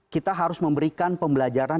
kita harus memberikan pembelajaran